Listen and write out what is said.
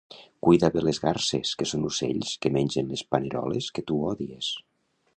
Cuida bé les garses que són ocells que mengen les paneroles que tu odies